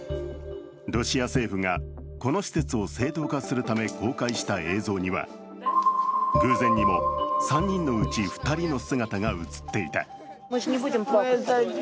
ロシア政府がこの施設を正当化するため公開した映像には偶然にも３人のうち２人の姿が映っていた。